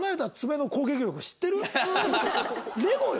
レゴよ？